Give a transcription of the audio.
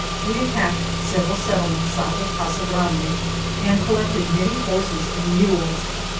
We attacked several settlements south of Casa Grande, and collected many horses and mules.